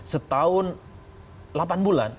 setahun delapan bulan